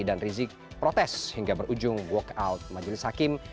rizik protes hingga berujung walk out majelis hakim